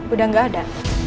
udah gak ada